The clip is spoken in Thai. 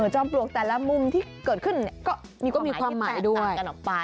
จอมปลวกแต่ละมุมที่เกิดขึ้นก็มีความแตกต่างกันออกไป